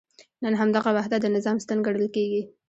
نن همدغه وحدت د نظام ستن ګڼل کېږي.